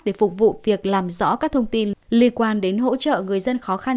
để phục vụ việc làm rõ các thông tin liên quan đến hỗ trợ người dân khó khăn